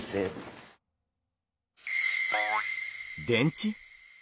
電池？